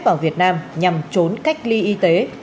vào việt nam nhằm trốn cách ly y tế